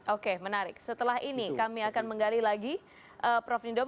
oke menarik setelah ini kami akan menggali lagi prof nidom